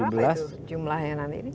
berapa itu jumlahnya nanti